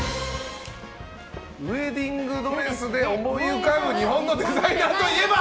ウェディングドレスで思い浮かぶ日本のデザイナーといえば？